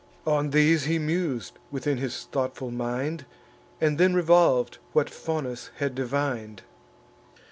On these he mus'd within his thoughtful mind, And then revolv'd what Faunus had divin'd.